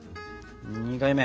２回目。